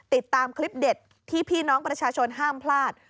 ติดตามคลิปเด็ดที่พี่น้องประชาชนห้ามพลาด